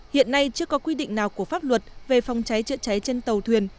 hiện nay chưa có quy định nào của pháp luật về phòng cháy chữa cháy trên tàu thuyền